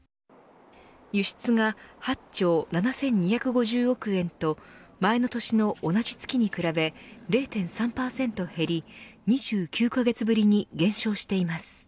輸出が８兆７２５０億円と前の年の同じ月に比べ０．３％減り２９カ月ぶりに減少しています。